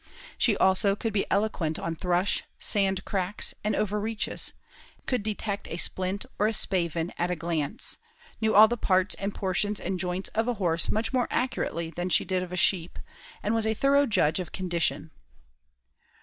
She also could be eloquent on thrush, sand cracks, and overreaches could detect a splint or a spavin at a glance knew all the parts and portions and joints of a horse much more accurately than she did of a sheep, and was a thorough judge of condition.